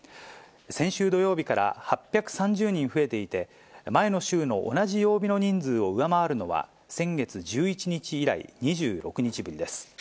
先週土曜日から８３０人増えていて、前の週の同じ曜日の人数を上回るのは先月１１日以来、２６日ぶりです。